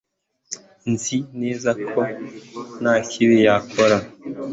Nzi neza ko nta kibi yakoze